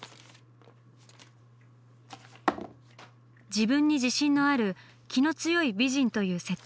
「自分に自信のある気の強い美人」という設定です。